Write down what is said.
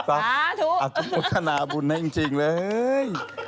อาทุกมธนาบุญให้จริงเลย